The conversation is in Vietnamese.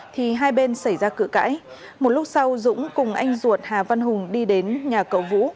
thì hai bên xảy ra cự cãi một lúc sau dũng cùng anh ruột hà văn hùng đi đến nhà cậu vũ